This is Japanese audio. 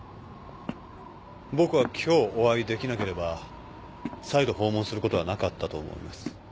僕は今日お会いできなければ再度訪問することはなかったと思います。